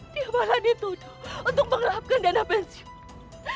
dia malah dituduh untuk mengelapkan dana pensiun